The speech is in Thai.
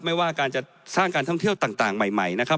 ไม่ว่าการจะสร้างการท่องเที่ยวต่างใหม่นะครับ